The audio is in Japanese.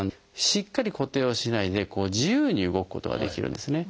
しっかり固定をしないで自由に動くことができるんですね。